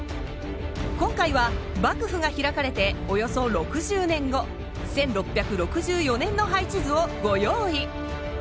今回は幕府が開かれておよそ６０年後１６６４年の配置図をご用意。